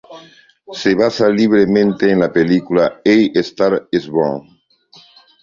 Se basa libremente en la película "A Star Is Born".